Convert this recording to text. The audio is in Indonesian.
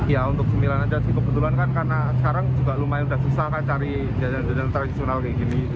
ya untuk sembilan aja sih kebetulan kan karena sekarang juga lumayan udah susah kan cari jajanan jajanan tradisional kayak gini